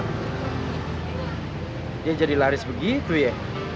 dia jadi laris begitu ya